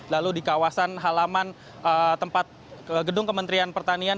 lalu di kawasan halaman tempat gedung kementerian pertanian